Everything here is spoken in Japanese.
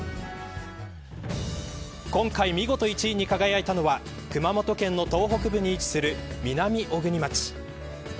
今回、見事１位に輝いたのは熊本県の東北部に位置する南小国町。